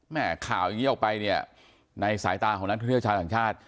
ข่าวอย่างนี้ออกไปเนี่ยในสายตาของนักท่องเที่ยวชาวต่างชาติ